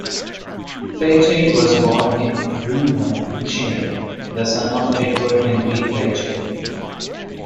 Fairchild was born in Birmingham, Michigan, the son of Edward Henry Fairchild.